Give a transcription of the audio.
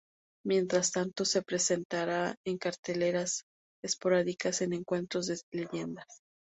Mientras tanto, se presentará en carteleras esporádicas en encuentros de leyendas.